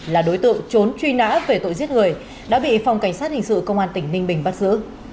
là đối tượng trốn truy nã về tội giết người đã bị phòng cảnh sát hình sự công an tỉnh ninh bình bắt giữ